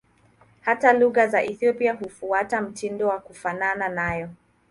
Hata lugha za Ethiopia hufuata mtindo wa kufanana nayo.